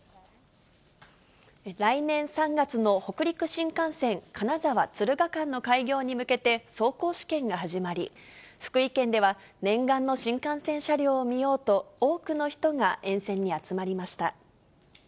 来年３月の北陸新幹線金沢・敦賀間の開業に向けて、走行試験が始まり、福井県では念願の新幹線車両を見ようと、多くの人が沿線に集まりました。